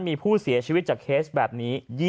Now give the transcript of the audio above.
มีผู้เสียชีวิตจากเคสแบบนี้